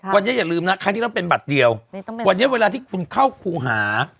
วันนี้อย่าลืมนะครั้งที่เราเป็นบัตรเดียววันนี้เวลาที่คุณเข้าครูหา